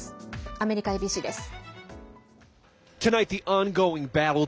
アメリカＡＢＣです。